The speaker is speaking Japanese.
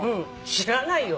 知らないよ。